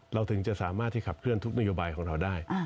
ถึงจะสามารถที่ขับเคลื่อนทุกนโยบายของเราได้